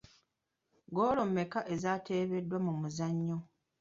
Goolo mmeka ezaateebeddwa mu muzannyo?